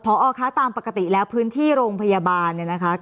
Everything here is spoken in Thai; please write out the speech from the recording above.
พอคะตามปกติแล้วพื้นที่โรงพยาบาลเนี่ยนะคะ